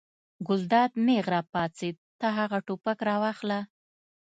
ګلداد نېغ را پاڅېد: ته هغه ټوپک راواخله.